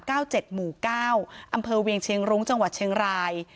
หมู่เก้าอำเภอเวียงเชียงรุ้งจังหวัดเชียงราย